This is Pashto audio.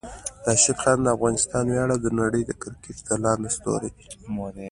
راشد خان د افغانستان ویاړ او د نړۍ د کرکټ ځلانده ستوری